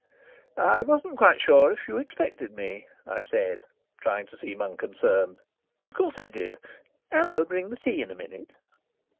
"I wasn't quite sure if you expected me," I said, trying to seem unconcerned. "Of course I did. Anne will bring the tea in a minute."